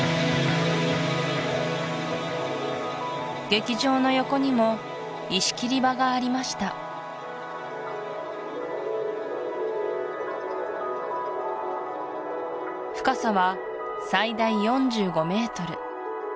劇場の横にも石切り場がありました深さは最大４５メートル